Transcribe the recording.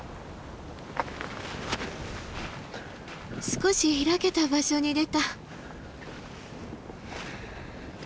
少し開けた場所に出た。